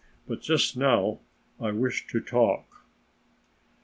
But just now I wish to talk."